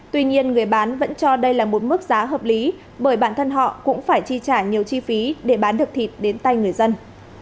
tuy nhiên người bán vẫn cho đây là một mức giá hợp lý bởi bản thân họ cũng phải chi trả nhiều chi phí để bán được thịt đến tay người dân